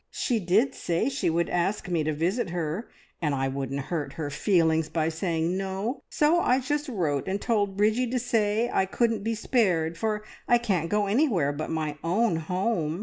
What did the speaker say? She did say she would ask me to visit her, and I wouldn't hurt her feelings by saying No, so I just wrote and told Bridgie to say I couldn't be spared, for I can't go anywhere but my own home.